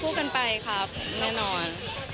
คู่กันไปครับแน่นอน